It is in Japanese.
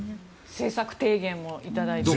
政策提言をしていただいて。